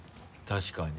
確かに。